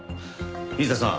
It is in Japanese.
水田さん